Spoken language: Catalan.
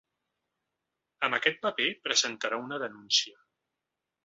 Amb aquest paper presentarà una denúncia.